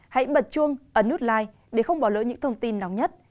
hãy bật chuông ấn nút like để không bỏ lỡ những thông tin nóng nhất